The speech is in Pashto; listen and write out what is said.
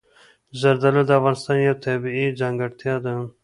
زردالو د افغانستان یوه طبیعي ځانګړتیا ده.